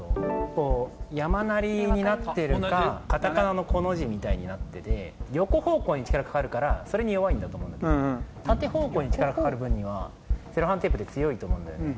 こう山なりになってるか片仮名のコの字みたいになってて横方向に力かかるからそれに弱いんだと思うんだけど縦方向に力かかる分にはセロハンテープって強いと思うんだよね